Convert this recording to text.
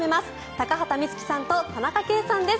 高畑充希さんと田中圭さんです。